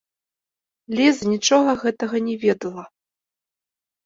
Ліза нічога гэтага не ведала.